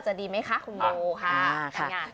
จะดีไหมคะคุณโบคะทางงาน